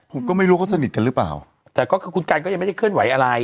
ผมก็ไม่รู้เขาสนิทกันหรือเปล่าแต่ก็คือคุณกันก็ยังไม่ได้เคลื่อนไหวอะไร